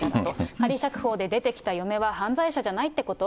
仮釈放で出てきた嫁は犯罪者じゃないってこと？